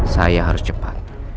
saya harus cepat